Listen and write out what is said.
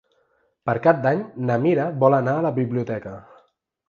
Per Cap d'Any na Mira vol anar a la biblioteca.